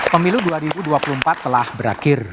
pemilu dua ribu dua puluh empat telah berakhir